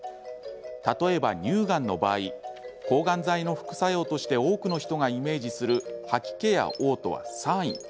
例えば、乳がんの場合抗がん剤の副作用として多くの人がイメージする吐き気や、おう吐は３位。